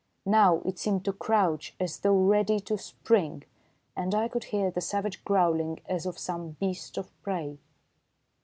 Now it seemed to crouch as though ready to spring, and I could hear the savage growling as of some beast of prey.